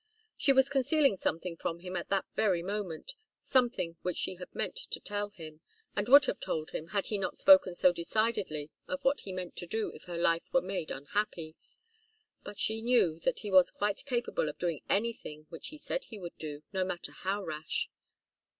She was concealing something from him at that very moment, something which she had meant to tell him, and would have told him, had he not spoken so decidedly of what he meant to do if her life were made unhappy. But she knew that he was quite capable of doing anything which he said he would do, no matter how rash.